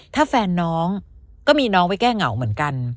ถ้าแฟนน้องก็มีน้องไปแก้เหงาเหมือนกัน